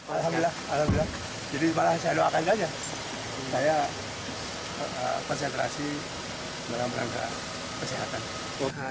alhamdulillah jadi malah saya doakan saja saya persentrasi dengan berangkat kesehatan